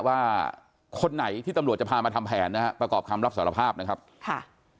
ว่าคนไหนที่ตำรวจจะพามาทำแผนนะฮะประกอบคำรับสารภาพนะครับค่ะ